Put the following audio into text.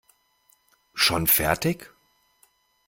Schon fertig?